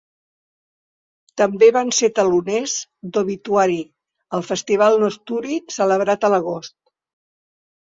També van ser teloners d'Obituary al festival Nosturi celebrat a l'agost.